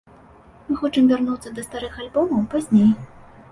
Мы хочам вярнуцца да старых альбомаў пазней.